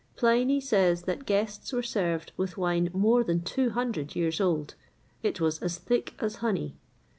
[XXVIII 103] Pliny says that guests were served with wine more than two hundred years old: it was as thick as honey.